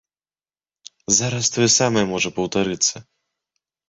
Зараз тое самае можа паўтарыцца.